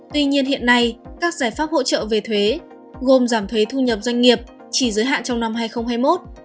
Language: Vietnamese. tuy nhiên hiện nay các giải pháp hỗ trợ về thuế gồm giảm thuế thu nhập doanh nghiệp chỉ giới hạn trong năm hai nghìn hai mươi một